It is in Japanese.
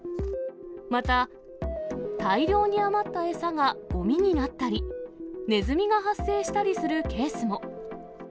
また、大量に余った餌がごみになったり、ネズミが発生したりするケースも。